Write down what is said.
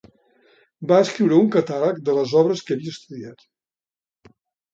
Va escriure un catàleg de les obres que havia estudiat.